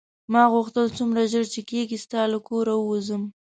ما غوښتل څومره ژر چې کېږي ستا له کوره ووځم.